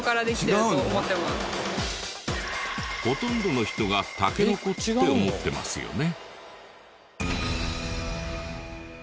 ほとんどの人がタケノコって思ってますよね。